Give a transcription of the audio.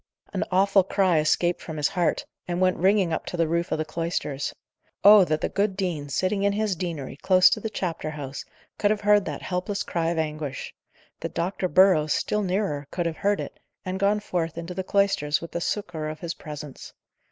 An awful cry escaped from his heart, and went ringing up to the roof of the cloisters. Oh! that the good dean, sitting in his deanery close to the chapter house, could have heard that helpless cry of anguish! that Dr. Burrows, still nearer, could have heard it, and gone forth into the cloisters with the succour of his presence!